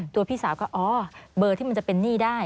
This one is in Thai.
พี่สาวก็อ๋อเบอร์ที่มันจะเป็นหนี้ได้